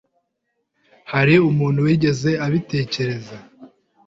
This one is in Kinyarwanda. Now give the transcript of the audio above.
Hari umuntu wigeze abitekereza?